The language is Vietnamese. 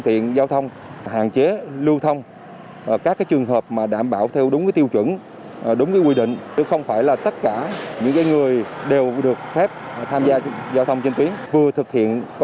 tiện giao thông hạn chế lưu lực